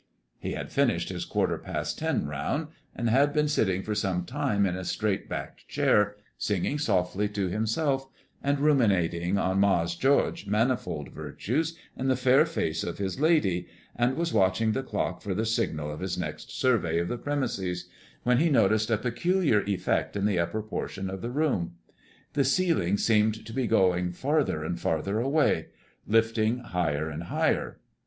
He had finished his quarter past ten round, and had been sitting for some time in his straight backed chair, singing softly to himself, and ruminating on Mars' George's manifold virtues and the fair face of his lady, and was watching the clock for the signal of his next survey of the premises, when he noticed a peculiar effect in the upper portion of the room. The ceiling seemed to be going farther and farther away, lifting higher and higher.